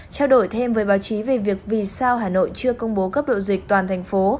trao đổi thêm với báo chí về việc vì sao hà nội chưa công bố cấp độ dịch toàn thành phố